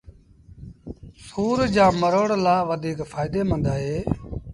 سُور جآݩ مروڙ لآ وڌيٚڪ ڦآئيٚدي مند اهي